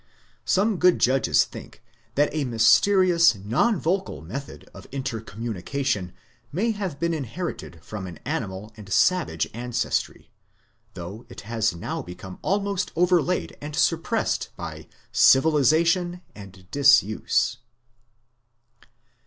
Some good judges think that a mysterious non vocal method of inter communication may have been inherited from an animal and savage ancestry, though it has now become almost overlaid and suppressed by civilisation and disuse.